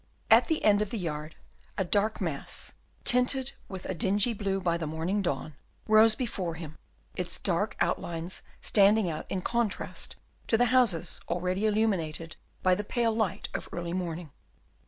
At the end of the yard a dark mass, tinted with a dingy blue by the morning dawn, rose before him, its dark outlines standing out in contrast to the houses already illuminated by the pale light of early morning.